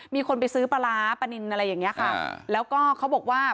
มีคนไปซื้อปลาร้าปลานินอะไรอย่างเงี้ยค่ะแล้วก็เขาบอกว่า